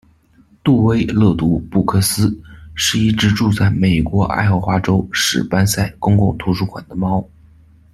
杜威·乐读·布克斯是一只住在美国爱荷华州史班赛公共图书馆的猫。